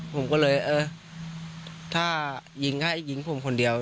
ผมก็เลยเออถ้ายิงให้ยิงผมคนเดียว